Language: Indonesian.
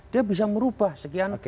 dia bisa merubah sekian